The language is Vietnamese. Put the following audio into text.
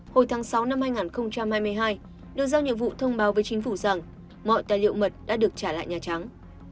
hồi tháng sáu năm hai nghìn hai mươi hai được giao nhiệm vụ thông báo với chính phủ rằng mọi tài liệu mật đã được trả lại nhà trắng